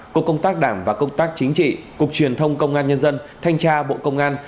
cục công tác đảng và công tác chính trị cục truyền thông công an nhân dân thanh tra bộ công an